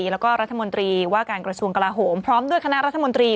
แล้วก็รัฐมนตรีว่าการกระทรวงกลาโหมพร้อมด้วยคณะรัฐมนตรี